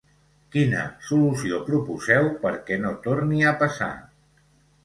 Quina solució proposeu perquè no torni a passar?